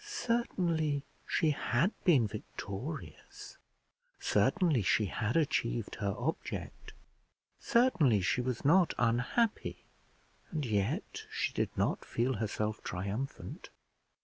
Certainly she had been victorious, certainly she had achieved her object, certainly she was not unhappy, and yet she did not feel herself triumphant.